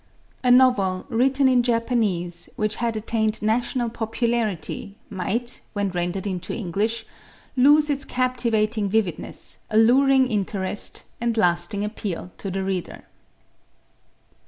A novel written in Japanese which had attained national popularity might, when rendered into English, lose its captivating vividness, alluring interest and lasting appeal to the reader.